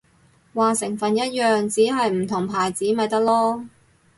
話成分一樣，只係唔同牌子咪得囉